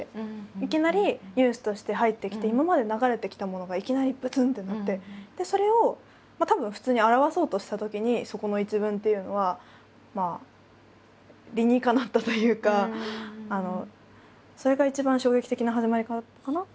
いきなりニュースとして入ってきて今まで流れてきたものがいきなりぶつん！ってなってでそれをたぶん普通に表そうとしたときにそこの１文っていうのは理にかなったというかそれが一番衝撃的な始まりかなと思ったので。